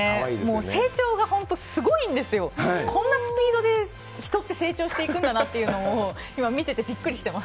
成長がすごいんですよ、こんなスピードで人って成長していくんだなって今、見ててびっくりしています。